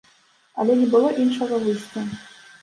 Але не было іншага выйсця.